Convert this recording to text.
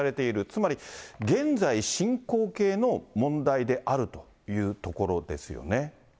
つまり、現在進行形の問題であるというところですよね。